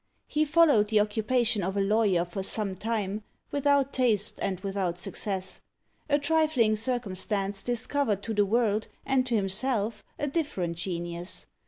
He followed the occupation of a lawyer for some time, without taste and without success. A trifling circumstance discovered to the world and to himself a different genius.